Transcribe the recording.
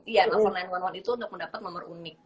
iya nelfon sembilan ratus sebelas itu udah mendapat nomor unik